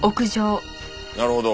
なるほど。